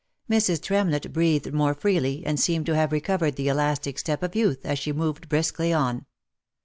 Mrs. Tremlett breathed more freely, and seemed to have recovered the elastic step of youth, as she moved briskly on.